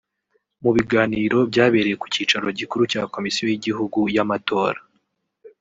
Mu biganiro byabereye ku cyicaro gikuru cya Komisiyo y’Igihugu y’Amatora